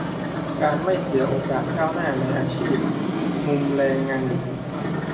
- การไม่เสียโอกาสก้าวหน้าในอาชีพ มุมแรงงานหญิง